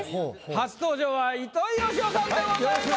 初登場は糸井嘉男さんでございます。